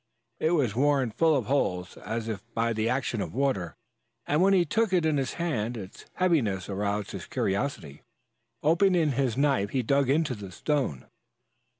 It was worn full of holes as if by the action of water and when he took it in his hand its heaviness aroused his curiosity. Opening his knife, he dug into the stone.